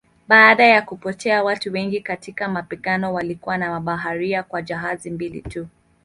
Baada ya kupotea watu wengi katika mapigano walikuwa na mabaharia kwa jahazi mbili tu.